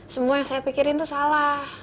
semua yang saya pikirin itu salah